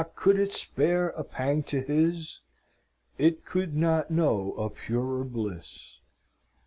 could it spare a pang to his, It could not know a purer bliss!